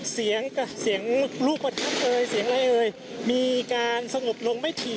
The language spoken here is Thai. เสียงกับเสียงลูกประทับเอ่ยเสียงอะไรเอ่ยมีการสงบลงไม่ถี่